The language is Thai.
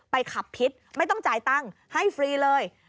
ขับพิษไม่ต้องจ่ายตังค์ให้ฟรีเลย